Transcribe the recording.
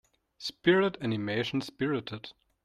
Spirit animation Spirited.